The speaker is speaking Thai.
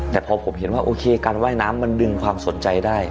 แต่พอผมเห็นว่าโอเคการว่ายน้ำมันดึงความสนใจได้